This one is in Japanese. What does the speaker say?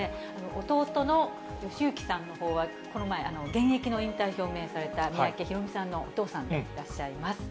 弟の義行さんのほうは、この前、現役の引退を表明された、三宅宏実さんのお父さんでいらっしゃいます。